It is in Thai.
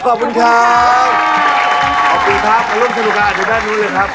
ขอบคุณครับอารุณสินคุณค่ะดูด้านนี้เลยครับ